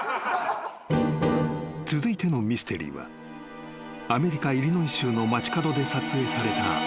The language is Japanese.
［続いてのミステリーはアメリカイリノイ州の街角で撮影されたこちらの映像］